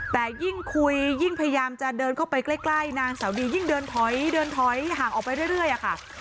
แต่ยิ่งคุยยิ่งพยายามจะเดินเข้าไปใกล้นางสาวดียิ่งเดินถอยเดินถอยห่างออกไปเรื่อยอะค่ะ